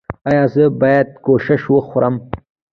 ایا زه باید کشمش وخورم؟